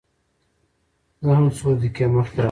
زه هم څو دقيقې مخکې راغلى يم.